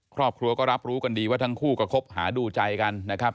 ครอบครัวก็รับรู้กันดีว่าทั้งคู่ก็คบหาดูใจกันนะครับ